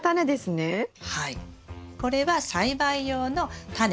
これは栽培用のタネ。